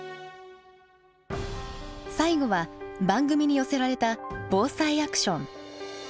最後は番組に寄せられた防災アクション。